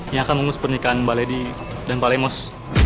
yang akan mengurus pernikahan mbak lady dan pak lemos